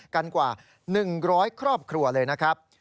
กันกว่า๑๐๐ครอบครัวเลยนะครับ